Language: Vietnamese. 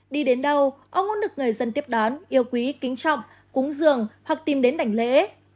đi đến đâu ông muốn được người dân tiếp đón yêu quý kính trọng cúng giường hoặc tìm đến đành lễ